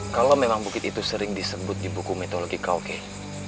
kalau memang bukit itu sering disebut di buku mitologi kauke